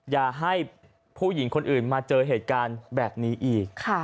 อย่าให้ผู้หญิงคนอื่นมาเจอเหตุการณ์แบบนี้อีก